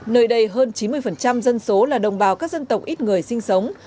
nơi đây hơn chín mươi dân số là đồng bào các dân tộc ít người sinh sống